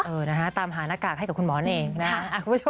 เออนะคะตามหาหน้ากากให้กับคุณหมอนเอง